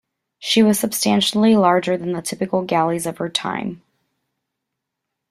She was substantially larger than the typical galleys of her time.